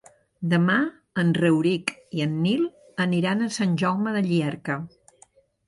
Demà en Rauric i en Nil aniran a Sant Jaume de Llierca.